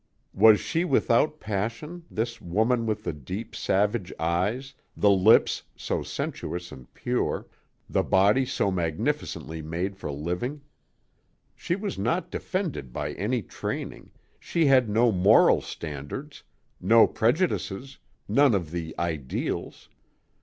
Was she without passion, this woman with the deep, savage eyes, the lips, so sensuous and pure, the body so magnificently made for living? She was not defended by any training, she had no moral standards, no prejudices, none of the "ideals."